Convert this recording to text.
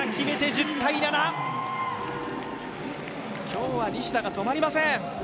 今日は西田が止まりません。